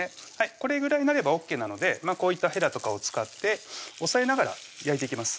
これぐらいなればＯＫなのでこういったへらとかを使って押さえながら焼いていきます